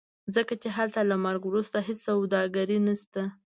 ځکه چې هلته له مرګ وروسته هېڅ سوداګري نشته.